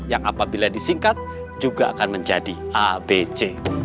yang apabila disingkat juga akan menjadi abc